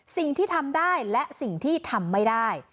สิ่งที่ทำได้และสิ่งที่ทำไม่ได้